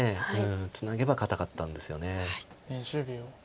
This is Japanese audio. ツナげば堅かったんですよね。